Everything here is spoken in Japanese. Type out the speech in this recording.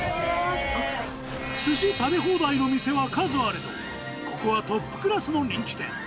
すし食べ放題の店は数あれど、ここはトップクラスの人気店。